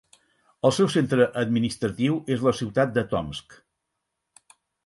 El seu centre administratiu és la ciutat de Tomsk.